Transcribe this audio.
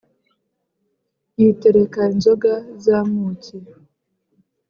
, yitereka inzoga z'amuki,